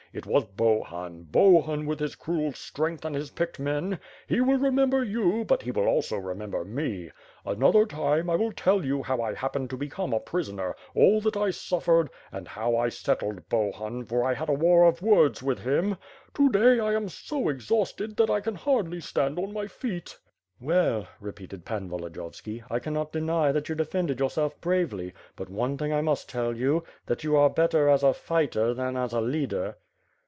It was Bohun, Bohun with his cruel strength and his picked men. He will remember you, but he will also remember me. Another time, 1 will tell you how I happened to become a prisoner, all that I suffered, and how I settled Bohun, for I had a war of words with him. To day, I am so exhausted that I can hardly stand on mv feet." "Well!" repeated Pan Volodiyovski, "I cannot deny that you defended yourself bravely, but one thing I must tell you. That you are better as a fighter than as a leader."